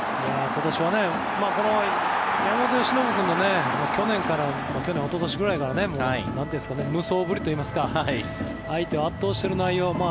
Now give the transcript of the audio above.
今年は、山本由伸君も去年、おととしくらいからの無双ぶりといいますか相手を圧倒している内容